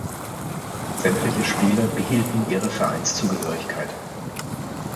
Sämtliche Spieler behielten ihre Vereinszugehörigkeit.